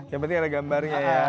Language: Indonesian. yang penting ada gambarnya ya